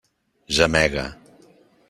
Gemega.